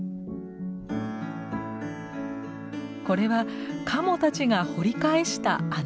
これはカモたちが掘り返した穴。